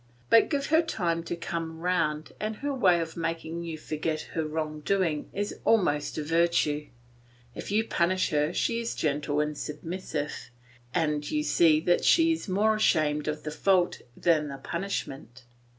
But give her time to come round and her way of making you forget her wrong doing is almost a virtue. If you punish her she is gentle and submissive, and you see that she is more ashamed of the fault than the punishment.